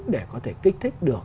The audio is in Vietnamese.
để có thể kích thích được